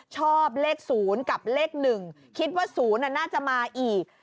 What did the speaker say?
ชอบเลข๐กับเลข๑คิดว่า๐น่าจะมาอีก